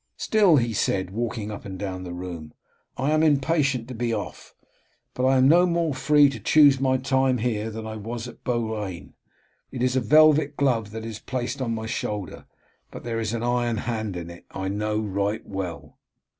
Still," he said, walking up and down the room, "I am impatient to be off, but I am no more free to choose my time here that I was at Beaurain. It is a velvet glove that is placed on my shoulder, but there is an iron hand in it, I know right well."